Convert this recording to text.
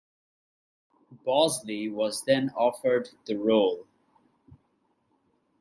Bosley was then offered the role.